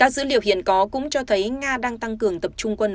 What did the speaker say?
dữ liệu hiện có cũng cho thấy nga đang tăng cường tập trung quân